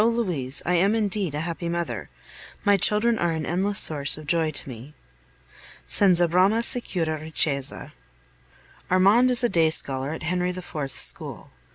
Louise, I am indeed a happy mother. My children are an endless source of joy to me. Senza brama sicura ricchezza. Armand is a day scholar at Henry IV.'s school.